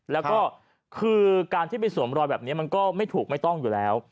แล้วก็คือการที่ไปสวมรอยแบบนี้มันก็ไม่ถูกไม่ต้องอยู่แล้ว